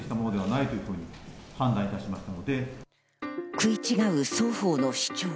食い違う双方の主張。